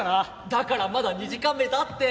「だからまだ２時間目だって」。